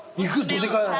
どでかいの。